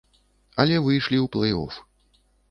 Але выйшлі ў плэй-оф.